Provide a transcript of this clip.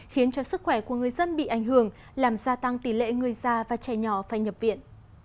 khiến cho sức khỏe của người dân bị ảnh hưởng làm gia tăng tỷ lệ người già và trẻ nhỏ phải nhập viện